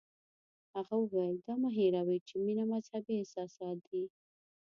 هغه وویل دا مه هیروئ چې مینه مذهبي احساسات دي.